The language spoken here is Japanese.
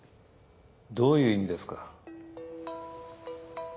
どういう意味ですか？